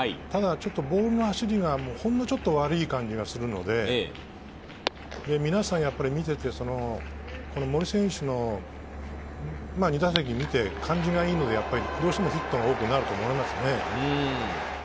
ボールの走りがほんのちょっと悪い感じがするので、皆さん見ていて、森選手の２打席を見て、感じがいいので、どうしてもヒットが多くなると思いますね。